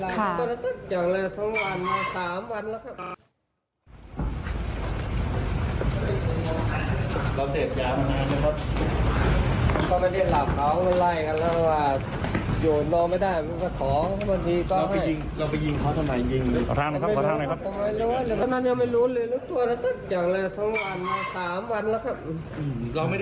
เขามาไหลมาแล้วเรื่องว่าหยุดรอไม่ได้